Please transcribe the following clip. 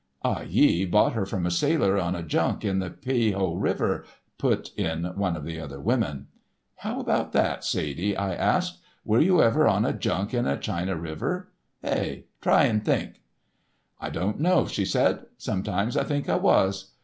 "Ah Yee bought her from a sailor on a junk in the Pei Ho river," put in one of the other women. "How about that, Sadie?" I asked. "Were you ever on a junk in a China river? Hey? Try and think?" "I don't know," she said. "Sometimes I think I was.